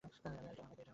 আরে এটা আমায় দে।